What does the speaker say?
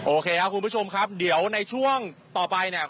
โอเคครับคุณผู้ชมครับเดี๋ยวในช่วงต่อไปเนี่ย